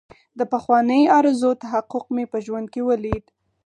د پخوانۍ ارزو تحقق مې په ژوند کې ولید.